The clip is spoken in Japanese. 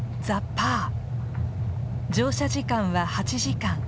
乗車時間は８時間。